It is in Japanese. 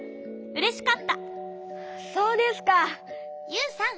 ユウさん。